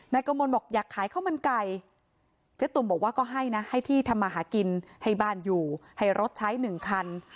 กระมนบอกอยากขายข้าวมันไก่เจ๊ตุ๋มบอกว่าก็ให้นะให้ที่ทำมาหากินให้บ้านอยู่ให้รถใช้หนึ่งคัน